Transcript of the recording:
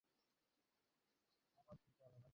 আমার কী করার আছে?